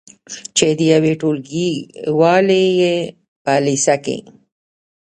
چې د یوې ټولګیوالې یې په لیسه کې